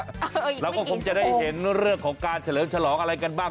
อ้าวยังไม่เก่งสมมุมแล้วก็คงจะได้เห็นเรื่องของการเฉลิมฉลองอะไรกันบ้าง